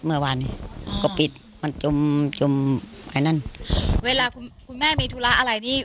เมื่อวานนี้ก็ปิดมันจมจมไอ้นั่นเวลาคุณคุณแม่มีธุระอะไรนี่